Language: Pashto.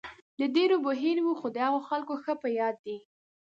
د ډېرو به هېر وي، خو د هغو خلکو ښه په یاد دی.